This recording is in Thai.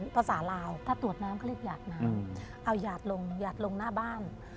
ภาษาลาวถ้าตรวจน้ำเขาเรียกหยาดน้ำเอาหยาดลงหยาดลงหน้าบ้าน